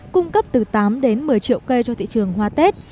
cung cấp từ tám đến một mươi triệu cây cho thị trường hoa tết